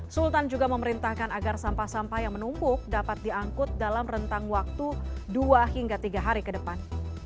sultan juga memerintahkan agar sampah sampah yang menumpuk dapat diangkut dalam rentang waktu dua hingga tiga hari ke depan